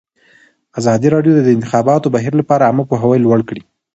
ازادي راډیو د د انتخاباتو بهیر لپاره عامه پوهاوي لوړ کړی.